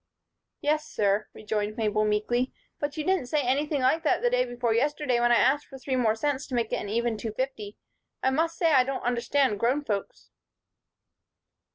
"Yes, sir," rejoined Mabel, meekly. "But you didn't say anything like that day before yesterday when I asked for three more cents to make it an even two fifty. I must say I don't understand grown folks."